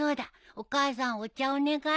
お母さんお茶お願い。